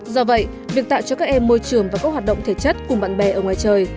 do vậy việc tạo cho các em môi trường và các hoạt động thể chất cùng bạn bè ở ngoài trời